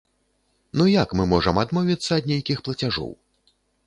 Ну як мы можам адмовіцца ад нейкіх плацяжоў?